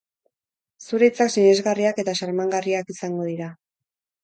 Zure hitzak sinesgarriak eta xarmangarriak izango dira.